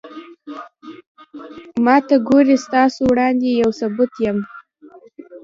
ما ته گورې ستاسو وړاندې يو ثبوت يم